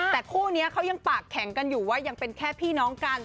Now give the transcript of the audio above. แต่คู่นี้เขายังปากแข็งกันอยู่ว่ายังเป็นแค่พี่น้องกัน